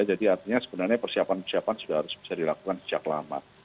jadi artinya sebenarnya persiapan persiapan sudah harus bisa dilakukan sejak lama